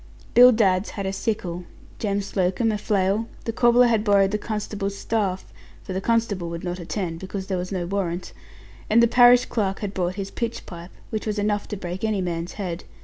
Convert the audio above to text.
Bill Dadds had a sickle, Jem Slocombe a flail, the cobbler had borrowed the constable's staff (for the constable would not attend, because there was no warrant), and the parish clerk had brought his pitch pipe, which was enough to break any man's head.